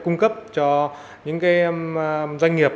cung cấp cho những doanh nghiệp